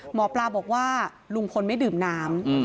หมอปลาบอกว่าลุงพลไม่ดื่มน้ำ